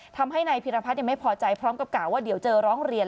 ทำให้นายพิรพัฒน์ยังไม่พอใจพร้อมกับกล่าวว่าเดี๋ยวเจอร้องเรียน